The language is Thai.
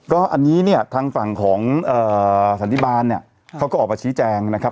ก็อันนี้เนี่ยทางฝั่งของสันติบาลเนี่ยเขาก็ออกมาชี้แจงนะครับ